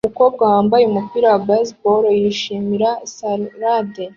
Umukobwa wambaye umupira wa baseball yishimira salade